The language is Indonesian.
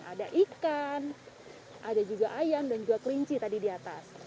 ada ikan ada juga ayam dan juga kelinci tadi di atas